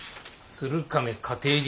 鶴亀家庭劇。